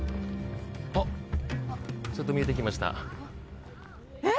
あっちょっと見えてきましたえっ？